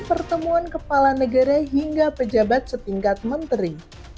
pertemuan kepala negara hingga pejabat setingkat menteri